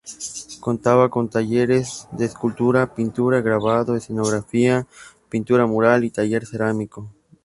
Contaba con talleres de Escultura, Pintura, Grabado, Escenografía, pintura Mural y taller cerámico.